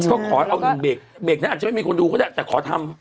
ก็ขอเอาอีกเบรกเบรกนั้นอาจจะไม่มีคนดูก็ได้แต่ขอทำ